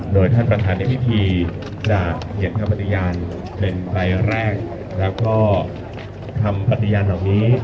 โดยท่านประธานในพิธีจะเขียนคำปฏิญาณเป็นใบแรกแล้วก็ทำปฏิญาณเหล่านี้